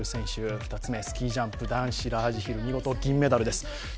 スキージャンプ男子ラージヒル、見事銀メダルです。